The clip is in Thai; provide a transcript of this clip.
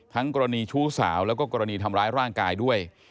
กรณีชู้สาวแล้วก็กรณีทำร้ายร่างกายด้วย